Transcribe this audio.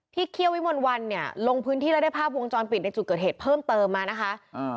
เคี่ยววิมลวันเนี่ยลงพื้นที่แล้วได้ภาพวงจรปิดในจุดเกิดเหตุเพิ่มเติมมานะคะ